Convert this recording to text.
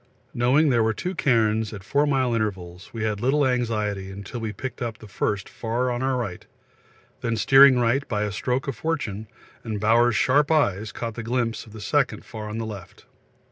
Knowing there were two cairns at four mile intervals, we had little anxiety till we picked up the first far on our right, then steering right by a stroke of fortune, and Bowers' sharp eyes caught a glimpse of the second far on the left.